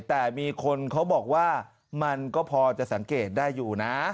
แต่มีคนเขาบอกว่ามันก็พอจะสังเกตได้อยู่นะ